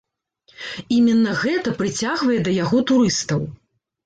Іменна гэта прыцягвае да яго турыстаў.